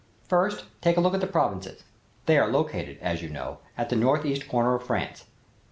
First, take a look at the provinces. They are located, as you know, at the northeast corner of France.